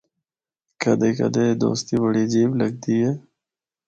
کدے کدے اے دوستی بڑی عجیب لگدی ہے۔